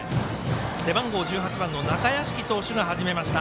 背番号１８番の中屋敷投手が始めました。